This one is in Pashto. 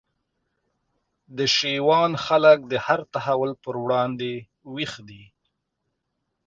د شېوان خلک د هر تحول پر وړاندي ویښ دي